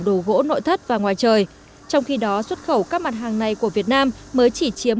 đồ gỗ nội thất và ngoài trời trong khi đó xuất khẩu các mặt hàng này của việt nam mới chỉ chiếm